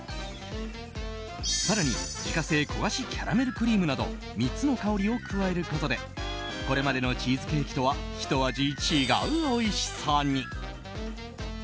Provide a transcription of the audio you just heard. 更に、自家製焦がしキャラメルクリームなど３つの香りを加えることでこれまでのチーズケーキとはひと味違うおいしさに。